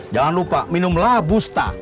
jangan lupa minumlah busta